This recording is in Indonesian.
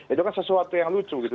itu kan sesuatu yang lucu gitu